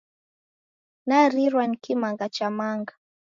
Narirwa ni kimanga cha manga.